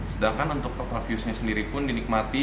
sedangkan untuk total viewsnya sendiri pun dinikmati